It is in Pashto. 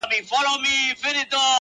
o خو دې زما د مرگ د اوازې پر بنسټ؛